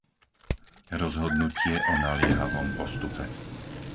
Rozhodnutie o naliehavom postupe